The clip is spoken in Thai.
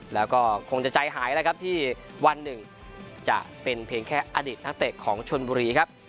แล้วก็คงจะใจหายแล้วครับที่วันหนึ่งจะเป็นเพียงแค่อดีตนักเตะของชนบุรีครับ